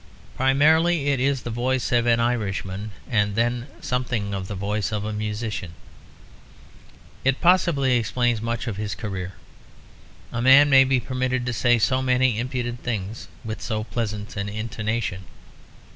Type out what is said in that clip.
Primarily it is the voice of an Irishman, and then something of the voice of a musician. It possibly explains much of his career; a man may be permitted to say so many impudent things with so pleasant an intonation.